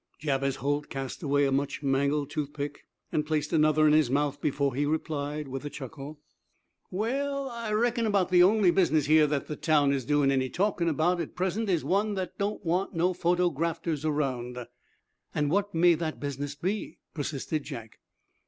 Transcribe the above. Jabez Holt cast away a much mangled toothpick and placed another in his mouth before he replied, with a chuckle: "Well, I reckon about the only business here that the town is doing any talkin' about at present is one that don't want no photografters around." "And what may that business be?" persisted Jack.